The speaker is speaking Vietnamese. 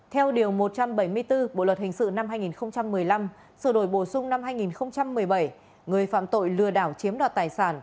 theo điều một trăm bảy mươi bốn bộ luật hình sự năm hai nghìn một mươi năm sự đổi bổ sung năm hai nghìn một mươi bảy người phạm tội lừa đảo chiếm đoạt tài sản